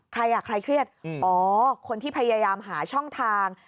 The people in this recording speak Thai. ใครอ่ะใครเครียดอ๋อคนที่พยายามหาช่องทาง